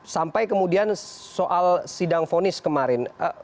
sampai kemudian soal sidang fonis kemarin